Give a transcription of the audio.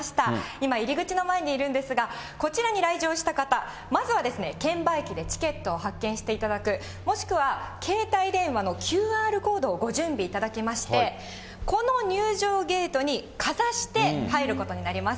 今、入り口の前にいるんですが、こちらに来場した方、まずは券売機でチケットを発券していただく、もしくは携帯電話のＱＲコードをご準備いただきまして、この入場ゲートにかざして入ることになります。